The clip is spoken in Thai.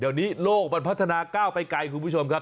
เดี๋ยวนี้โลกมันพัฒนาก้าวไปไกลคุณผู้ชมครับ